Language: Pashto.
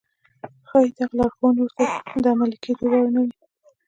ښايي دغه لارښوونې ورته د عملي کېدو وړ نه وي.